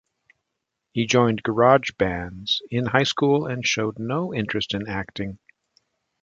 He joined garage bands in high school and showed no interest in acting.